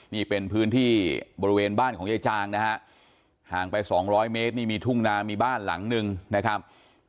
นี่เป็นพื้นที่บริเวณบ้านของยายจางนะฮะห่างไปสองร้อยเมตรนี่มีทุ่งนามีบ้านหลังนึงนะครับ